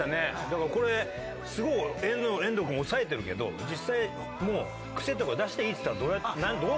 だからこれすごい遠藤君抑えてるけど実際もうクセとか出していいって言ったらどう歌ったの？